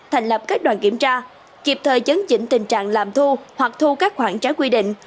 thành lập các đoàn kiểm tra kịp thời chấn chỉnh tình trạng làm thu hoặc thu các khoản trái quy định